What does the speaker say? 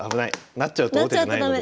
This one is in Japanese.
成っちゃうと王手じゃないので。